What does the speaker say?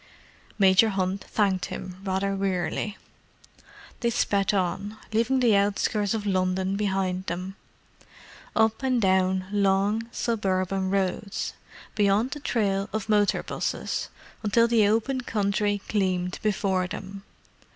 Major Hunt thanked him, rather wearily. They sped on, leaving the outskirts of London behind them. Up and down long, suburban roads, beyond the trail of motor 'buses, until the open country gleamed before them.